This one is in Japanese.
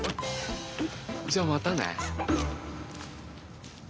じゃあまたね。